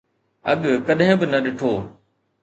اڳ ڪڏهن به نه ڏٺو